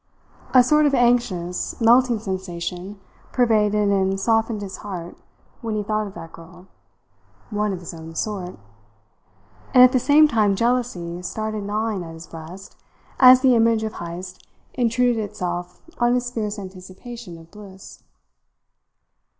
A sort of anxious, melting sensation pervaded and softened his heart when he thought of that girl one of his own sort. And at the same time jealousy started gnawing at his breast as the image of Heyst intruded itself on his fierce anticipation of bliss.